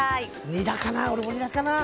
ニラかな、俺もニラかな。